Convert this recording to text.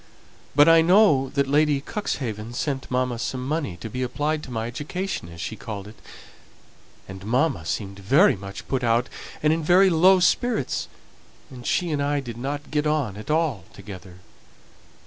But I know that Lady Cuxhaven sent mamma some money to be applied to my education, as she called it; and mamma seemed very much put out and in very low spirits, and she and I didn't get on at all together.